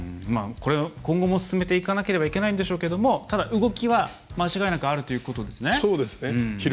今後も進めていかなければいけないんでしょうけども動きは、ただ間違いなくあるということですね。